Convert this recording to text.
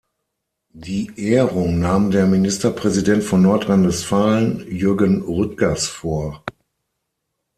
Die Ehrung nahm der Ministerpräsident von Nordrhein-Westfalen, Jürgen Rüttgers, vor.